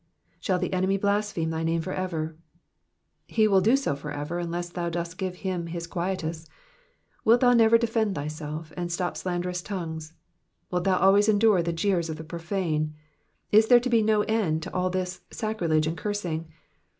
*•* Shall the enemy blaspheme thy name for everV* He will do so for ever, unless thou dost give him his quietus. Wilt thou never defend thyself, and stop slanderous tongues? Wilt thou always endure the jeers of the profane ? Is there to be no end to all this sacrilege and cursing